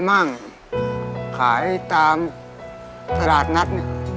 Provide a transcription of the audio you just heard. มั่งขายตามประหลาดนัด